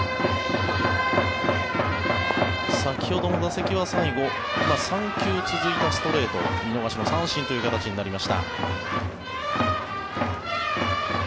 先ほどの打席は最後、３球続いたストレート見逃しの三振となりました。